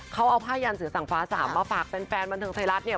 เขาเอาภาพยานเสือสังฟ้า๓มาฝากแฟนบันเทิงไซรัสเนี่ย